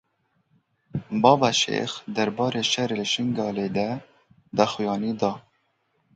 Babe Şêx derbarê şerê li Şingalê de daxuyanî da.